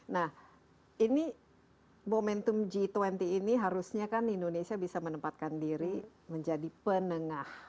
nah ini momentum g dua puluh ini harusnya kan indonesia bisa menempatkan diri menjadi penengah